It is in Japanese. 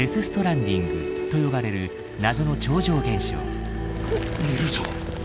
ストランディングと呼ばれる謎の超常現象。